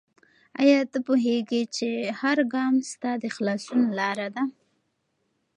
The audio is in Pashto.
آیا ته پوهېږې چې هر ګام ستا د خلاصون لاره ده؟